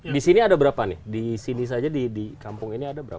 di sini ada berapa nih di sini saja di kampung ini ada berapa